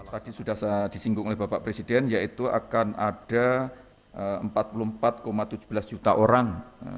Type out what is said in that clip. tadi sudah disinggung oleh bapak presiden yaitu akan ada empat puluh empat tujuh belas juta orang